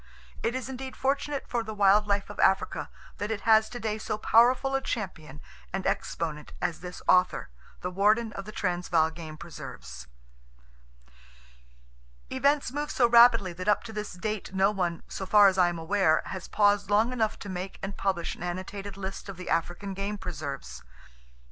It is indeed fortunate for the wild life of Africa that it has today so powerful a champion and exponent as this author, the warden of the Transvaal Game Preserves. Events move so rapidly that up to this date no one, so far as I am aware, has paused long enough to make and publish an annotated list of the African game preserves.